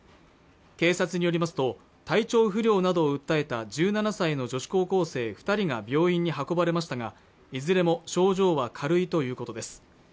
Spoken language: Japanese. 警察によりますと体調不良などを訴えた１７歳の女子高校生二人が病院に運ばれましたがいずれも症状は軽いということです